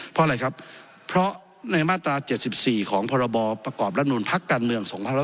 เพราะอะไรครับเพราะในมาตรา๗๔ของพบรัฐมนุนพักกันเมือง